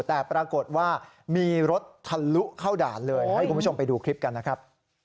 แต่ปรากฏว่ามีรถทะลุเข้าด่านเลยให้คุณผู้ชมไปดูคลิปกันนะครับ